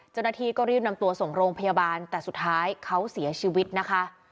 เจ้าหน้าที่ก็รีบนำตัวส่งโรงพยาบาลแต่สุดท้ายเขาเสียชีวิตนะคะ